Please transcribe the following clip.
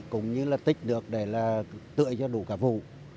cũng như là tích được để là tưới cho đủ cả vụ